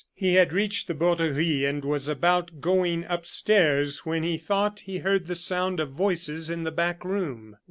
He had reached the Borderie, and was about going upstairs, when he thought he heard the sound of voices in the back room.